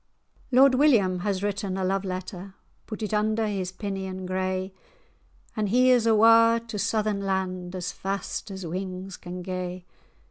Lord William has written a love letter, Put it under his pinion grey; An' he is awa' to Southern land As fast as wings can gae.